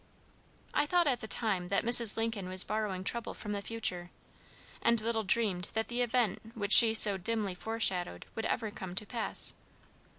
I thought at the time that Mrs. Lincoln was borrowing trouble from the future, and little dreamed that the event which she so dimly foreshadowed would ever come to pass.